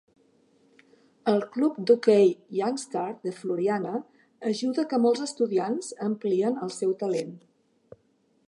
El club d'hoquei Youngstar de Floriana ajuda que molts estudiants amplien el seu talent.